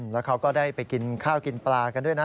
แล้วเขาก็ได้ไปกินข้าวกินปลากันด้วยนะ